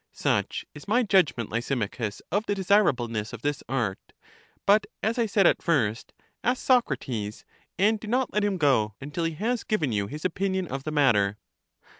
Such is my judgment, Lysimachus, of the desirableness of this art; but, as I said at first, ask Socrates, and do not let him go until he has given you his opinion of the matter.